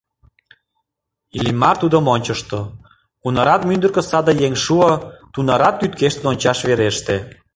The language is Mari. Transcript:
Иллимар тудым ончышто, кунарат мӱндыркӧ саде еҥ шуо, тунарат тӱткештын ончаш вереште.